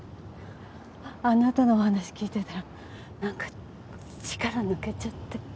あなたのお話聞いてたらなんか力抜けちゃって。